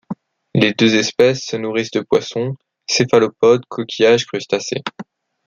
Les deux espèces se nourrissent de poissons, céphalopodes, coquillage, crustacés.